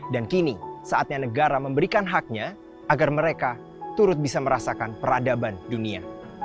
dan kini saatnya negara memberikan haknya agar mereka turut bisa merasakan peradaban dunia